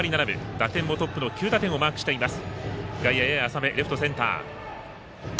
打点もトップの９打点をマークしています。